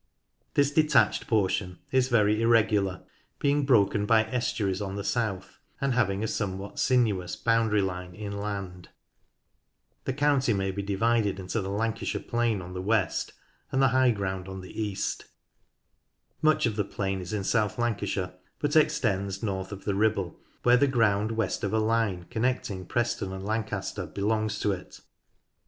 This detached portion is very irre gular, being broken by estuaries on the south, and having a somewhat sinuous boundary line inland. The county may be divided into the Lancashire plain Coniston Old Man in Winter on the west and the high ground on the east. Much of the plain is in South Lancashire, but extends north of the Ribble where the ground west of a line connecting Preston and Lancaster belongs to it.